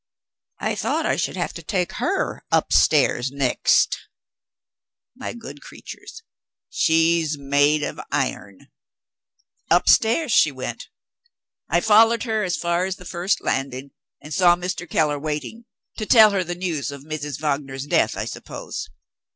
I thought I should have to take her upstairs next. My good creatures, she's made of iron! Upstairs she went. I followed her as far as the first landing, and saw Mr. Keller waiting to tell her the news of Mrs. Wagner's death, I suppose.